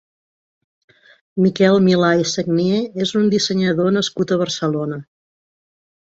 Miquel Milà i Sagnier és un dissenyador nascut a Barcelona.